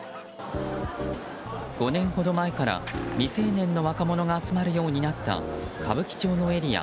５年ほど前から未成年の若者が集まるようになった歌舞伎町のエリア